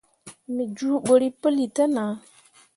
Me juubǝrri puli te nah.